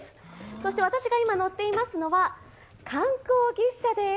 そして私が今、乗っていますのが観光牛車です。